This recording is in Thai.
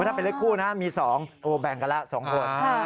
ถ้าเป็นเล็กคู่นะมีสองแบ่งกันละสองคน